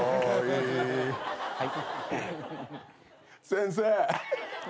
先生。